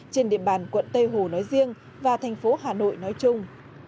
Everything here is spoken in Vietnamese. trên địa bàn quận tây hồ nói riêng và thành phố hà nội nói chung